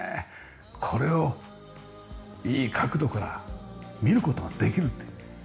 これをいい角度から見る事ができるっていう。